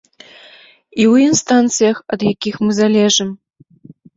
І ў інстанцыях, ад якіх мы залежым.